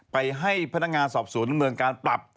ไปให้พนักงานสอบศูนย์นำเงินการปรับ